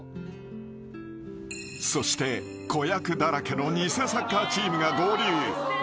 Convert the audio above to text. ［そして子役だらけの偽サッカーチームが合流］